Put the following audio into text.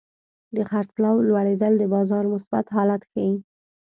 د خرڅلاو لوړېدل د بازار مثبت حالت ښيي.